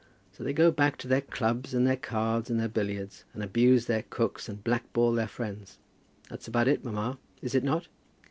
So they go back to their clubs and their cards, and their billiards, and abuse their cooks and blackball their friends. That's about it, mamma; is it not?"